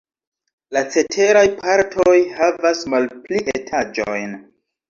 La ceteraj partoj havas malpli etaĝojn.